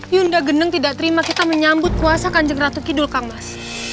yunda geneng tidak terima kita menyambut kuasa kanjeng ratu kidul kang mas